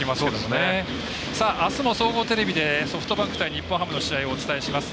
あすも総合テレビでソフトバンク対日本ハムの試合をお伝えします。